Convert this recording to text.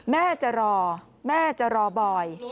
แม่จะรอแม่จะรอบอย